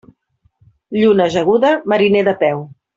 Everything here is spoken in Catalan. Lluna ajaguda, mariner de peu.